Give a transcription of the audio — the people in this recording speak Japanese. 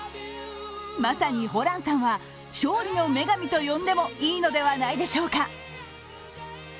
まさにホランさんは勝利の女神と呼んでもいいのではないでしょうか。